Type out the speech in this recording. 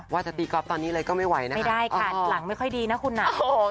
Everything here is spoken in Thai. ว่าจะตีก๊อฟตอนนี้เลยก็ไม่ไหวนะไม่ได้ค่ะหลังไม่ค่อยดีนะคุณอ่ะโอ้โห